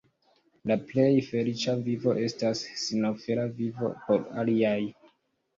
La plej feliĉa vivo estas sinofera vivo por aliaj.